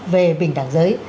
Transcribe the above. về bình đẳng giới